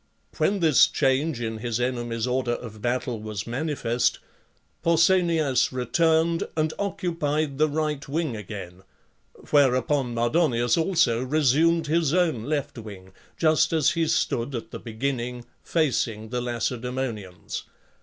When this change in his enemy's order of battle was manifest, Pausanias returned and occupied the right wing again, where upon Mardonius also resumed his own left wing; just as he stood at the beginning, facing the Lacedae monians....